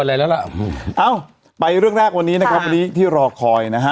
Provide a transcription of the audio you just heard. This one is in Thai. อะไรแล้วล่ะเอ้าไปเรื่องแรกวันนี้นะครับวันนี้ที่รอคอยนะฮะ